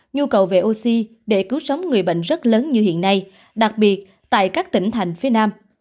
nhu cầu về oxy để cứu sống người bệnh rất lớn như hiện nay đặc biệt tại các tỉnh thành phía nam